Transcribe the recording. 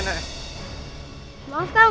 iya pak ini aja masih kurang